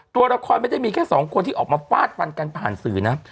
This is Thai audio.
ตัวละครไม่ได้มีแค่สองคนที่ออกมาฟาดฟันกันผ่านสื่อนะ